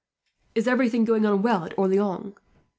"Is everything going on well at Orleans?"